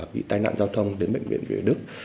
bị tai nạn giao thông đến bệnh viện việt đức